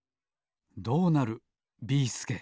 どうなるビーすけ